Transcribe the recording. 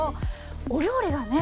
お料理がね